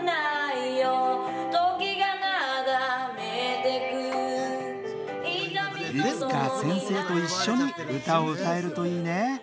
いつか先生と一緒に歌を歌えるといいね。